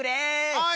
はい！